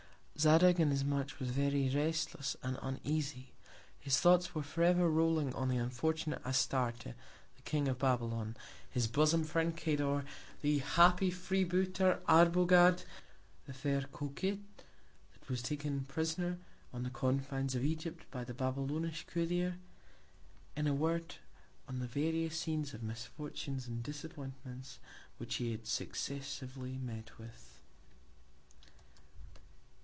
Zadig, in his March, was very restless and uneasy. His Thoughts were forever rolling on the unfortunate Astarte, the King of Babylon, his Bosom Friend Cador, the happy Free booter, Arbogad, the fair Coquet, that was taken Prisoner on the Confines of Egypt, by the Babylonish Courier; in a Word, on the various Scenes of Misfortunes and Disappointments, which he had successively met with.